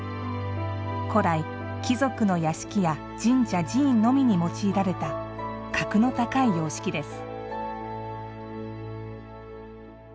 古来、貴族の屋敷や神社・寺院のみに用いられた格の高い様式です。